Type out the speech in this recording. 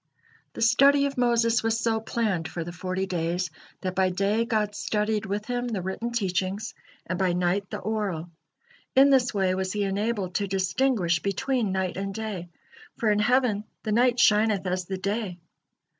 The study of Moses was so planned for the forty days, that by day God studied with him the written teachings, and by night the oral. In this way was he enabled to distinguish between night and day, for in heaven "the night shineth as the day."